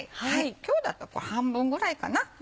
今日だと半分ぐらいかな。